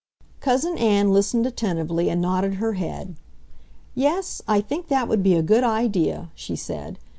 Cousin Ann listened attentively and nodded her head. "Yes, I think that would be a good idea," she said.